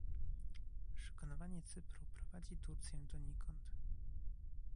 Szykanowanie Cypru prowadzi Turcję donikąd